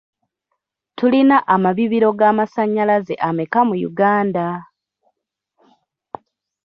Tulina amabibiro g'amasannyalaze ameka mu Uganda?